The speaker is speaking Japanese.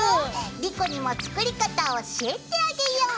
莉子にも作り方教えてあげよう。